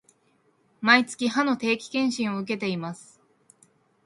毎月、歯の定期検診を受けています